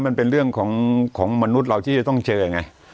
มันเป็นเรื่องของมนุษย์เราที่จะต้องเจอไง